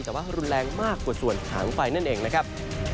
แต่ว่ารุนแรงมากกว่าส่วนถังไฟนั่นเองนะครับ